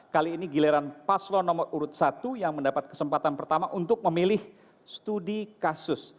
kali ini giliran paslon nomor urut satu yang mendapat kesempatan pertama untuk memilih studi kasus